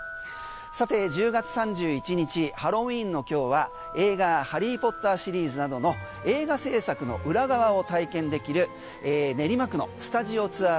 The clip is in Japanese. さて１０月３１日ハロウィーンの今日は映画「ハリー・ポッター」シリーズなどの映画制作の裏側を体験できる練馬区のスタジオツアー